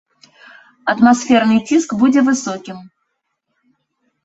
Атмасферны ціск будзе высокім.